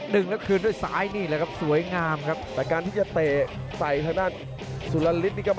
ดึงแล้วกึนด้วยซ้ายนี่แหละครับ